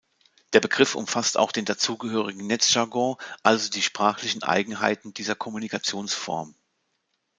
Der Begriff umfasst auch den dazugehörigen Netzjargon, also die sprachlichen Eigenheiten dieser Kommunikationsform.